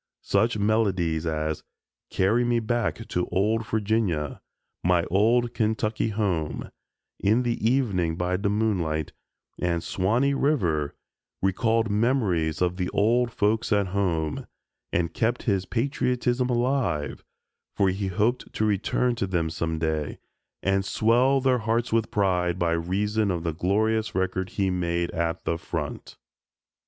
Such melodies as "Carry Me Back to Old Virginia," "My Old Kentucky Home," "In the Evening by de Moonlight," and "Swanee River" recalled memories of the "old folks at home," and kept his patriotism alive, for he hoped to return to them some day and swell their hearts with pride by reason of the glorious record he made at the front.